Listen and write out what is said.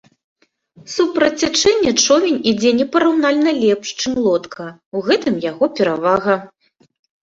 Супраць цячэння човен ідзе непараўнальна лепш, чым лодка, у гэтым яго перавага.